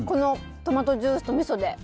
トマトジュースとみそで。